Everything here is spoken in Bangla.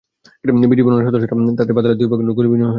বিজিবির অন্য সদস্যরা এতে বাধা দিলে দুই পক্ষের মধ্যে গুলিবিনিময় হয়।